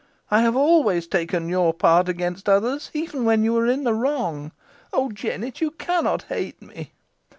I have always taken your part against others, even when you were in the wrong. Oh! Jennet, you cannot hate me."